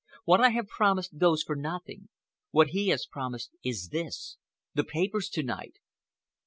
What I have promised goes for nothing. What he has promised is this—the papers to night."